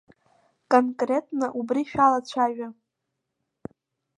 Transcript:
Конкретла убри шәалацәажәа!